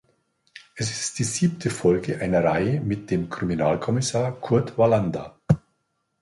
Er ist die siebte Folge einer Reihe mit dem Kriminalkommissar Kurt Wallander.